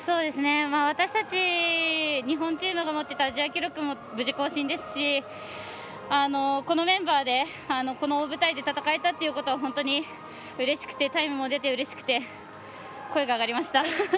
私たち日本人が持っていたアジア記録も無事、更新ですしこのメンバーで、この大舞台で戦えたというのは本当にうれしくてタイムも出てうれしくて声が上がりました。